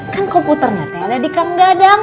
kan komputernya t ada di kang dadang